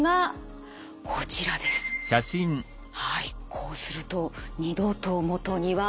こうすると二度と元には戻れません。